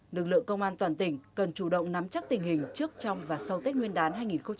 lực lượng công an toàn tỉnh cần chủ động nắm chắc tình hình trước trong và sau tết nguyên đán hai nghìn hai mươi bốn